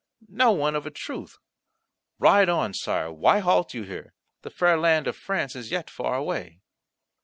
No one, of a truth. Ride on, Sire, why halt you here? The fair land of France is yet far away."